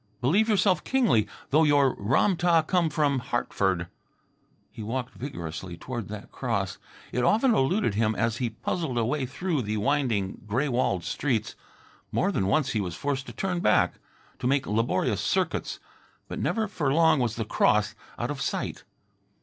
Believe yourself kingly, though your Ram tah come from Hartford." He walked vigorously toward that cross. It often eluded him as he puzzled a way through the winding gray walled streets. More than once he was forced to turn back, to make laborious circuits. But never for long was the cross out of sight.